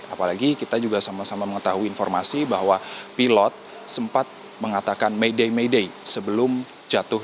apalagi kita juga sama sama mengetahui informasi bahwa pilot sempat mengatakan mayday mayday sebelum jatuh